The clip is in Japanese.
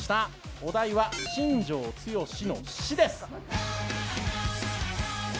お題は新庄剛志の「し」です。